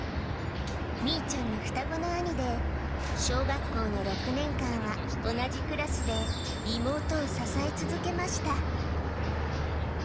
みいちゃんの双子の兄で、小学校の６年間は同じクラスで、妹を支え続けました。